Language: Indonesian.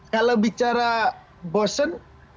kalau bicara bosen